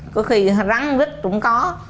có khi rắn rít cũng có